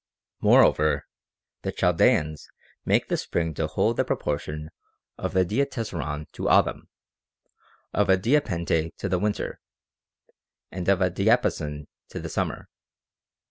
Moreover, the Chaldaeans make the spring to hold the proportion of a diatessaron to autumn ; of a diapente to the winter, and of a diapason to the summer.